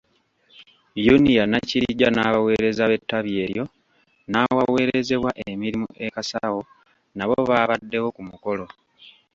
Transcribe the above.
Unia Nakirijja n'abaweereza b'ettabi eryo n'awaweerezebwa emirimu e Kasawo nabo baabaddewo ku mukolo.